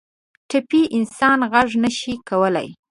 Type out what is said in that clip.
ټپي انسان غږ نه شي کولی.